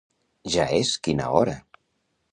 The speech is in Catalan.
Ja és quina hora.